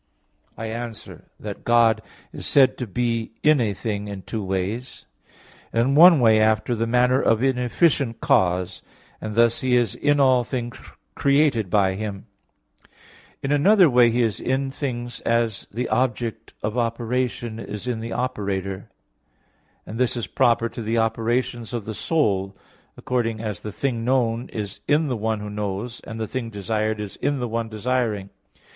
I answer that, God is said to be in a thing in two ways; in one way after the manner of an efficient cause; and thus He is in all things created by Him; in another way he is in things as the object of operation is in the operator; and this is proper to the operations of the soul, according as the thing known is in the one who knows; and the thing desired in the one desiring.